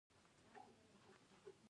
مېوې د افغانستان د طبیعي پدیدو یو رنګ دی.